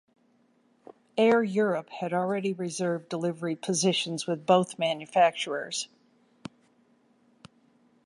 Air Europe had already reserved delivery positions with both manufacturers.